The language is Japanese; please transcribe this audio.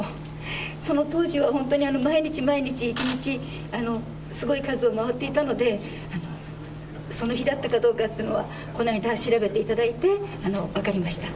その当時は本当に毎日毎日、一日、すごい数を回っていたので、その日だったかどうかっていうのはこの間、調べていただいて、分かりました。